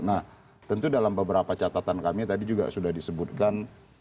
nah tentu dalam beberapa catatan kami tadi juga sudah disebutkan